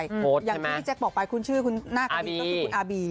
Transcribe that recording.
อย่างที่แจ๊กบอกไปคุณชื่อคุณน่ากลิ่นก็คืออาร์บี